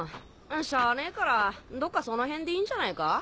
しゃあねえからどっかその辺でいいんじゃないか？